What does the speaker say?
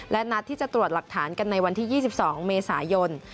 และนัดที่จะตรวจหลักฐานกันในวันที่๒๒เมษายน